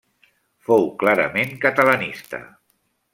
Fou clarament catalanista.